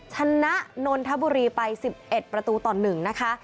ชนะนนทบุรีไป๑๑ประตูต่อ๑นะคะ